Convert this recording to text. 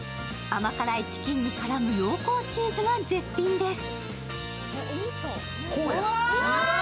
甘辛いチキンに絡む濃厚チーズが絶品です。